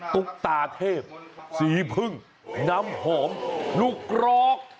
ตุ๊กตาเทพสีพึ่งน้ำหอมลูกกรอก